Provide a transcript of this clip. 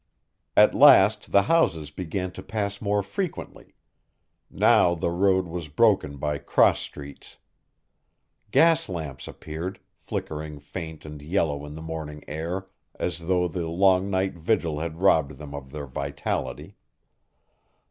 At last the houses began to pass more frequently. Now the road was broken by cross streets. Gas lamps appeared, flickering faint and yellow in the morning air, as though the long night vigil had robbed them of their vitality.